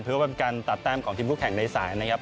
เพื่อเป็นการตัดแต้มของทีมคู่แข่งในสายนะครับ